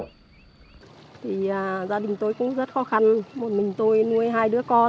thì gia đình tôi cũng rất khó khăn